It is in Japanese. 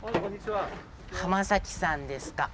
濱崎さんですか？